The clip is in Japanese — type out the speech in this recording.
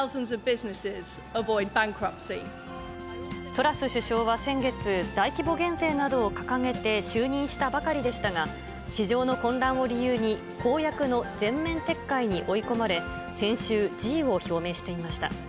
トラス首相は先月、大規模減税などを掲げて就任したばかりでしたが、市場の混乱を理由に、公約の全面撤回に追い込まれ、先週、辞意を表明していました。